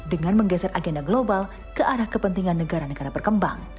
dengan menggeser agenda global ke arah kepentingan negara negara berkembang